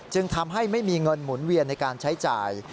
จึงทำให้ไม่มีเงินหมุนเวียนในการใช้จ่าย